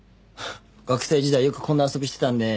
学生時代よくこんな遊びしてたんで。